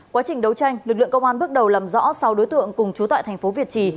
quá trình đấu tranh lực lượng công an bước đầu làm rõ sáu đối tượng cùng chú tại thành phố việt trì